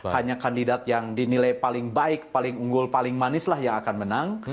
hanya kandidat yang dinilai paling baik paling unggul paling manis lah yang akan menang